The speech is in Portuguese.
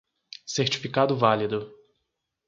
Certificado válido